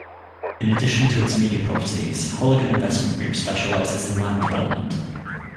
In addition to its media properties, Holigan Investment Group specializes in Land Development.